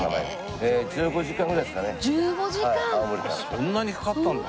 そんなにかかったんだ。